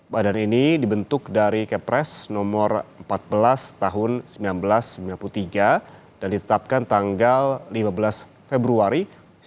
badan ini dibentuk dari kepres nomor empat belas tahun seribu sembilan ratus sembilan puluh tiga dan ditetapkan tanggal lima belas februari seribu sembilan ratus empat puluh